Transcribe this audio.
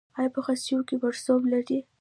ایا په خصیو کې پړسوب لرئ؟